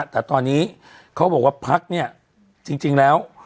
แต่ตอนนี้เขาบอกว่าพักเนี่ยจริงแล้ว